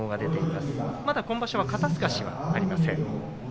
まだ今場所は肩すかしがありません。